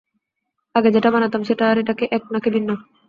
আগে যেটা বানাতাম সেটা আর এটা কি এক নাকি ভিন্ন?